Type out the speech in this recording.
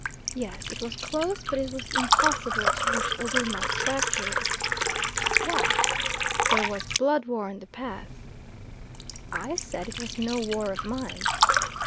"Yes, it was close, but it was impossible to reach Uguma's factory." "Why?" "There was blood war on the path." I said it was no war of mine.